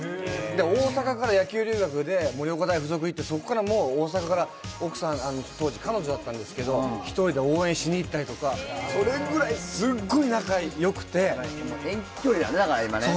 大阪から野球留学で盛岡大附属に行ってそこからもう大阪から奥さん、当時彼女だったんですけど、一人で応援しにいったりとか、それぐらい、すっごい仲よくて。